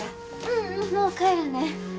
ううんもう帰るね。